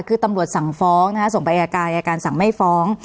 คือตำรวจสั่งฟ้องนะคะส่งไปอายการอายการสั่งไม่ฟ้อง